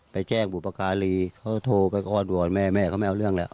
ไปแจ้งบุปการีเขาโทรไปก้อนวอนแม่แม่เขาไม่เอาเรื่องแล้ว